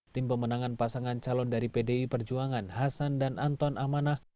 tim pemenangan pasangan calon dari pdi perjuangan hasan dan anton amanah